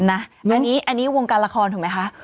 อันนี้วงการละครถูกไหมคะ